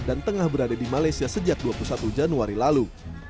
dan tengah berada di malaysia sejak dua puluh satu januari lalu